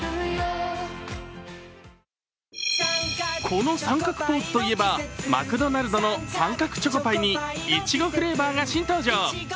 この三角ポーズといえば、マクドナルドの三角チョコパイにいちごフレーバーが新登場。